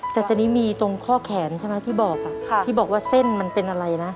แต่ตอนนี้มีตรงข้อแขนใช่ไหมที่บอกที่บอกว่าเส้นมันเป็นอะไรนะ